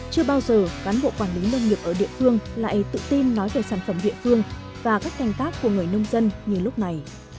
chưa bao giờ cán bộ quản lý nông nghiệp ở địa phương lại tự tin nói về sản phẩm địa phương và cách canh tác của người nông dân như lúc này